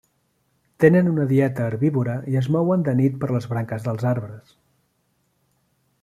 Tenen una dieta herbívora i es mouen de nit per les branques dels arbres.